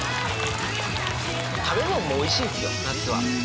食べ物もおいしいですよ夏は。